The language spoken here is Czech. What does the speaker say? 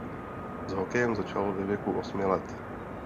S hokejem začal ve věku osmi let.